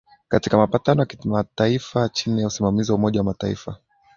katika mapatano ya kimataifa chini ya usimamizi wa Umoja wa Mataifa